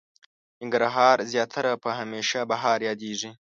ننګرهار زياتره په هميشه بهار ياديږي.